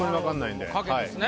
賭けですね。